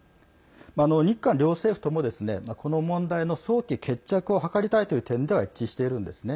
日韓両政府とも、この問題の早期決着を図りたいという点では一致しているんですね。